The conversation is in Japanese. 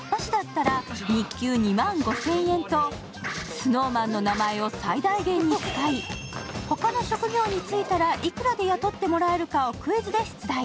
ＳｎｏｗＭａｎの名前を最大限に使い、他の企業に就いたらいくらで雇ってもらえるかをクイズで出題。